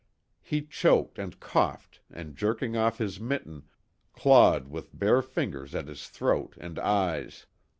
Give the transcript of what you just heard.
He choked and coughed and jerking off his mitten, clawed with bare fingers at his throat and eyes.